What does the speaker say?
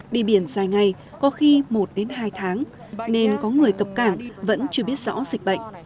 đi biển dài ngày có khi một đến hai tháng nên có người cập cảng vẫn chưa biết rõ dịch bệnh